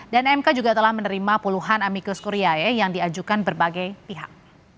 dan mk juga telah menerima puluhan amikus kuriae yang diajukan berbagai pihak